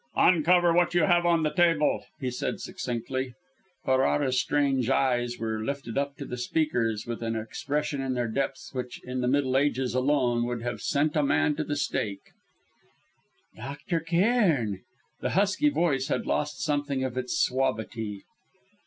"Uncover what you have on the table," he said succinctly. Ferrara's strange eyes were uplifted to the speaker's with an expression in their depths which, in the Middle Ages, alone would have sent a man to the stake. "Dr. Cairn " The husky voice had lost something of its suavity.